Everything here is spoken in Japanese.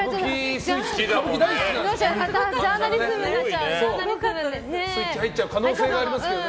スイッチ入っちゃう可能性ありますよね。